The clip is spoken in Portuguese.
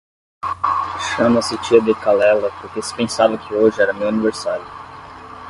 Chama-se tia de Calella porque se pensava que hoje era meu aniversário.